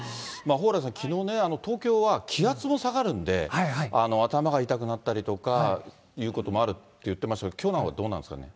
蓬莱さん、きのうね、東京は気圧も下がるんで、頭が痛くなったりとかいうこともあるって言ってましたけど、きょうなんかはどうなんですかね。